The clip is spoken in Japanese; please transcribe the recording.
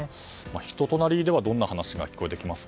人となりではどんな話が聞こえてきますか？